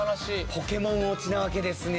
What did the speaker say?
ポケモンオチなわけですね。